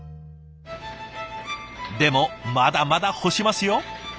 でもまだまだ干しますよ。